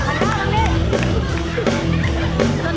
เยี่ยมมากมาก